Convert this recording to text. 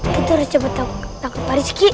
kita harus coba tangkap parizki